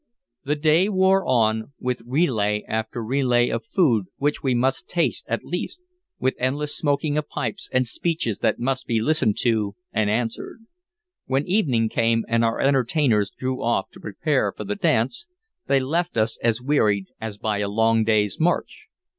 The day wore on, with relay after relay of food which we must taste at least, with endless smoking of pipes and speeches that must be listened to and answered. When evening came and our entertainers drew off to prepare for the dance, they left us as wearied as by a long day's march.